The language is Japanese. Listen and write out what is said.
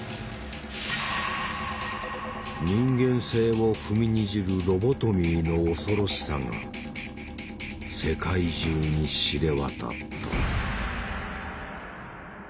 人間性を踏みにじるロボトミーの恐ろしさが世界中に知れ渡った。